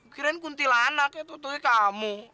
kirain kuntilanak kayak tontonnya kamu